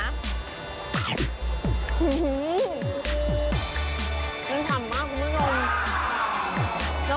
มันขำมากคุณผู้ชม